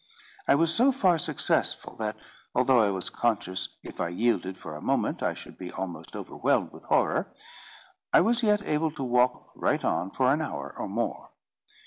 I was so far successful that, although I was conscious, if I yielded for a moment, I should be almost overwhelmed with horror, I was yet able to walk right on for an hour or more.